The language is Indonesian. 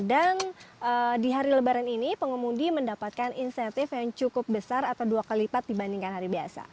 dan di hari lebaran ini pengundi mendapatkan insentif yang cukup besar atau dua kali lipat dibandingkan hari biasa